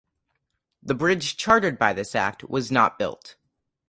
The bridge chartered by this act was not built.